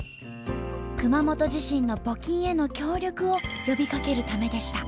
熊本地震の募金への協力を呼びかけるためでした。